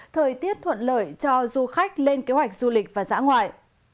thời tiết thuận lợi cho du khách lên kế hoạch du lịch và dã ngoại